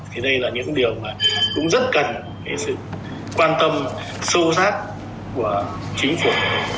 thì đây là những điều mà cũng rất cần sự quan tâm sâu sát của chính phủ